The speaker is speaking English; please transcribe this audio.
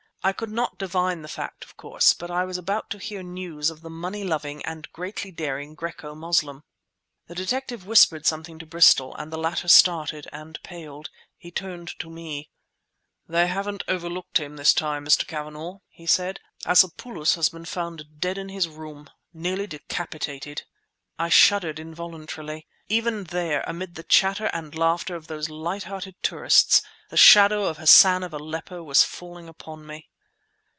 I could not divine the fact, of course, but I was about to hear news of the money loving and greatly daring Graeco Moslem. The detective whispered something to Bristol, and the latter started, and paled. He turned to me. "They haven't overlooked him this time, Mr. Cavanagh," he said. "Acepulos has been found dead in his room, nearly decapitated!" I shuddered involuntarily. Even there, amid the chatter and laughter of those light hearted tourists, the shadow of Hassan of Aleppo was falling upon me.